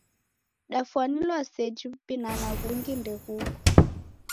Dafwanilwa seji w'ubinana ghungi ndeghuko.